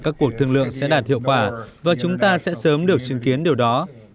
các cuộc thương lượng sẽ đạt hiệu quả và chúng ta sẽ sớm được chứng kiến điều đó